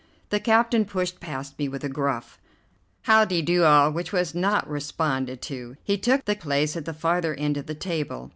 The captain pushed past me with a gruff, "How de do, all," which was not responded to. He took the place at the farther end of the table.